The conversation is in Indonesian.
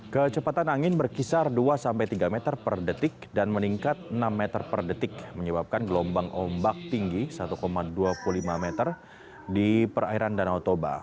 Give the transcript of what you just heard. kecepatan angin berkisar dua sampai tiga meter per detik dan meningkat enam meter per detik menyebabkan gelombang ombak tinggi satu dua puluh lima meter di perairan danau toba